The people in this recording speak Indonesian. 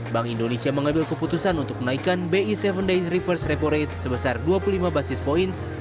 bank indonesia mengambil keputusan untuk menaikkan bi tujuh days reverse repo rate sebesar dua puluh lima basis points